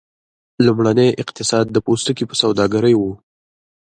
لومړنی اقتصاد د پوستکي په سوداګرۍ و.